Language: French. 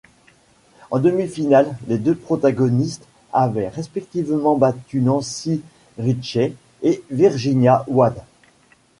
En demi-finale, les deux protagonistes avaient respectivement battu Nancy Richey et Virginia Wade.